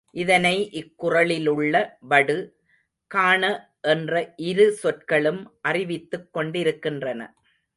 இதனை இக்குறளிலுள்ள வடு, காண என்ற இரு சொற்களும் அறிவித்துக் கொண்டிருக்கின்றன.